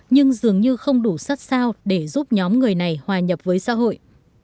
nhưng dường như không đủ sát sao để giúp nhóm người này hòa nhập với xã hội